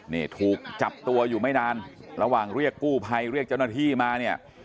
นี่ถูกจับตัวอยู่ไม่นานระหว่างเรียกกู้ภัยเรียกเจ้าหน้าที่มาเนี่ย